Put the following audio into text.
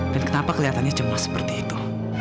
dan kenapa kelihatannya cemas seperti itu